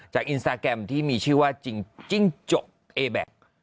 อินสตาแกรมที่มีชื่อว่าจิ้งจกเอแบ็ค